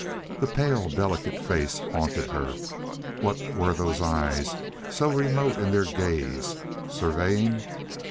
The pale, delicate face haunted her. What were those eyes, so remote in their gaze, surveying?